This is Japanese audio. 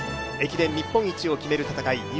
駅伝日本一を決める戦い